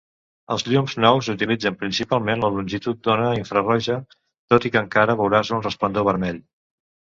Els llums nous utilitzen principalment la longitud d'ona infraroja, tot i que encara veuràs un resplendor vermell.